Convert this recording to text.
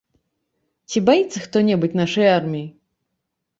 Ці баіцца хто-небудзь нашай арміі?